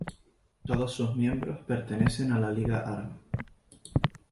Todos sus miembros pertenecen a la Liga Árabe.